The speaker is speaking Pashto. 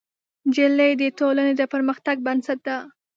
نجلۍ د ټولنې د پرمختګ بنسټ ده.